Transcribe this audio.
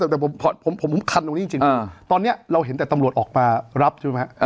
แต่ผมคันตรงนี้จริงตอนนี้เราเห็นแต่ตำรวจออกมารับใช่ไหม